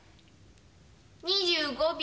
２５秒。